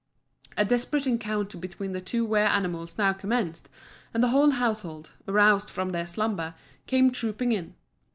A desperate encounter between the two wer animals now commenced, and the whole household, aroused from their slumber, came trooping in.